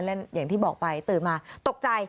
และอย่างที่บอกไปตื่นมาตกใจ